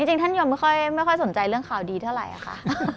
จริงท่านยมไม่ค่อยสนใจเรื่องข่าวดีเท่าไหร่ค่ะ